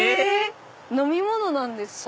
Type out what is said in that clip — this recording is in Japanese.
飲み物なんですか？